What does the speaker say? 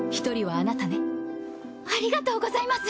ありがとうございます。